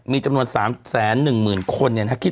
มีจำนวน๓๑๐๐๐๐๐คนเนี่ยนะครับ